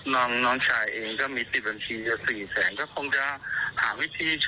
น้องชายเองก็มีสิทธิ์บัญชีจะสี่แสงก็คงจะหาวิธีช่วย